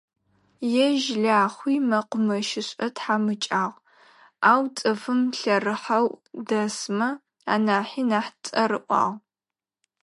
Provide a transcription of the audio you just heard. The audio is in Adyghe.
Ежь Лахъуи мэкъумэщышӏэ тхьамыкӏагъ, ау цӏыф лъэрыхьэу дэсмэ анахьи нахь цӏэрыӏуагъ.